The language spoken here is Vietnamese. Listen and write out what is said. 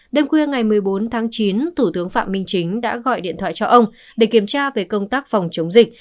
đêm khuya ngày một mươi bốn tháng chín thủ tướng phạm minh chính đã gọi điện thoại cho ông để kiểm tra về công tác phòng chống dịch